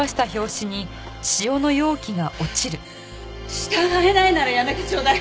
従えないなら辞めてちょうだい。